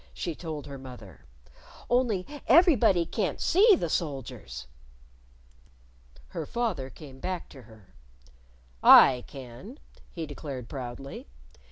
she told her mother. "Only everybody can't see the soldiers." Her father came back to her. "I can," he declared proudly.